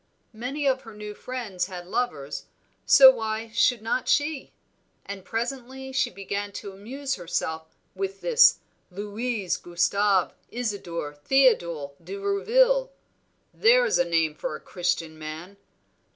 Many of her new friends had lovers, so why should not she; and presently she began to amuse herself with this Louis Gustave Isadore Theodule de Roueville There's a name for a Christian man!